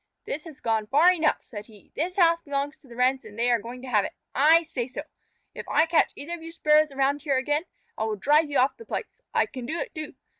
"This has gone far enough," said he. "This house belongs to the Wrens and they are going to have it. I say so. If I catch either of you Sparrows around here again, I will drive you off the place. I can do it, too.